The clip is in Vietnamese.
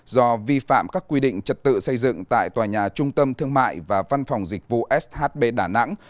do vi phạm các quy định trật tự xây dựng tại tòa nhà trung tâm thương mại và văn phòng dịch vụ shb đà nẵng